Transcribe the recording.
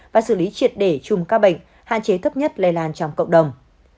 và xử lý triệt để chùm ca bệnh hạn chế thấp nhất lây lan trong cộng đồng